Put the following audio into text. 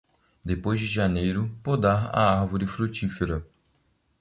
Depois de janeiro, podar a árvore frutífera.